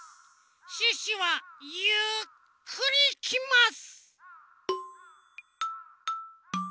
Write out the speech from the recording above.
シュッシュはゆっくりいきます！